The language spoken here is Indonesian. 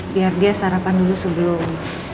biar dia sarapan dulu sebelum